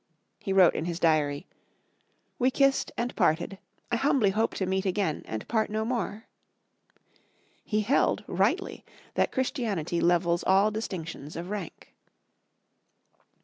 He wrote in his diary, "We kissed and parted I humbly hope to meet again, and part no more." He held, rightly, that Christianity levels all distinctions of rank.